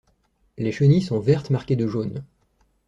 Les chenilles sont vertes marquées de jaune.